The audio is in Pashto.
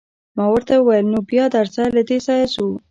ما ورته وویل: نو بیا درځه، له دې ځایه ځو.